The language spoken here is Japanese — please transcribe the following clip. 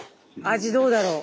味どうだろう？